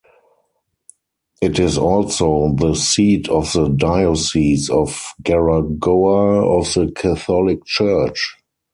It is also the seat of the Diocese of Garagoa of the Catholic Church.